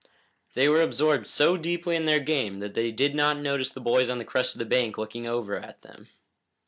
They were absorbed so deeply in their game that they did not notice the boys on the crest of the bank looking over at them.